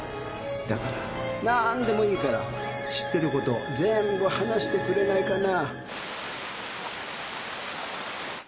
だからなーんでもいいから知ってること全部話してくれないかな。